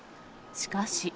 しかし。